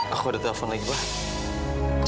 aku ada telepon lagi pak